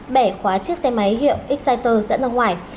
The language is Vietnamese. bẻ khóa chiếc xe máy hiệu exciter dẫn ra ngoài